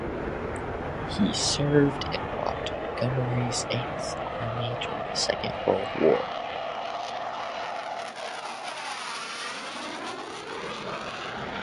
He served in Montgomery's Eighth Army during the Second World War.